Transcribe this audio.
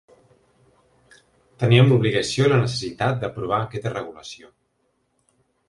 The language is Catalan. Teníem l’obligació i la necessitat d’aprovar aquesta regulació.